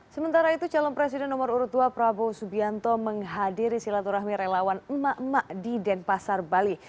sementara itu calon presiden nomor urut dua prabowo subianto menghadiri silaturahmi relawan emak emak di denpasar bali